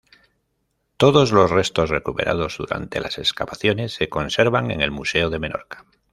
Todos los restos recuperados durante las excavaciones se conservan en el Museo de Menorca.